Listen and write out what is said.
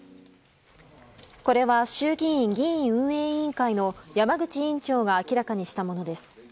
これは衆議院議院運営委員会の山口委員長が明らかにしたものです。